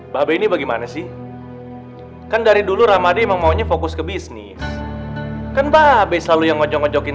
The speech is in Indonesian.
babi ini bagaimana sih kan dari dulu ramadi emang maunya fokus ke bisnis kan babi selalu yang ngonjok ngonjokin